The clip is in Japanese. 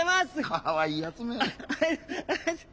かわいいやつめ。